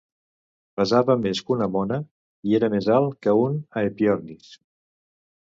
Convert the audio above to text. Pesava més que un moa i era més alt que un Aepyornis.